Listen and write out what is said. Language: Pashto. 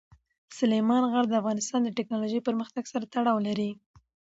سلیمان غر د افغانستان د تکنالوژۍ پرمختګ سره تړاو لري.